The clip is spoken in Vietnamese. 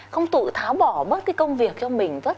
không tự tháo bỏ bớt cái công việc cho mình